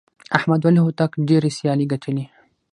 احمد ولي هوتک ډېرې سیالۍ ګټلي.